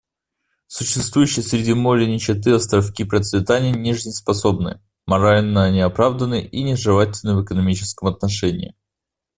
Существующие среди моря нищеты островки процветания нежизнеспособны, морально неоправданны и нежелательны в экономическом отношении.